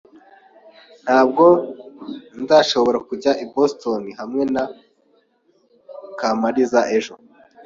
Ntabwo nzashobora kujya i Boston hamwe na Kamaliza ejo.